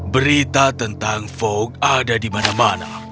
berita tentang fok ada di mana mana